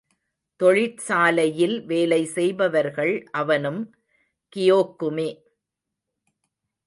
தொழிற்சாலையில் வேலை செய்பவர்கள் அவனும் கியோக்குமே.